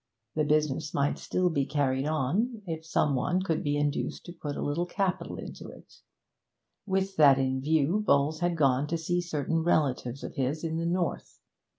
The business might still be carried on if some one could be induced to put a little capital into it; with that in view, Bowles had gone to see certain relatives of his in the north.